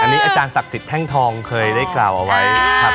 อันนี้อาจารย์ศักดิ์สิทธิแท่งทองเคยได้กล่าวเอาไว้ครับ